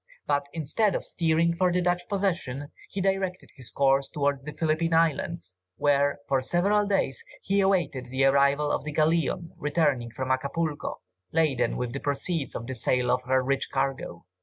But, instead of steering for the Dutch possession, he directed his course towards the Philippine Islands, where, for several days, he awaited the arrival of the galleon returning from Acapulco, laden with the proceeds of the sale of her rich cargo.